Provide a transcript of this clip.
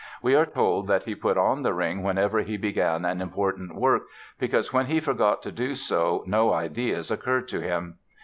We are told that he put on the ring whenever he began an important work because "when he forgot to do so no ideas occurred to him".